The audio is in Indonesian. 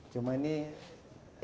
cuma ini responnya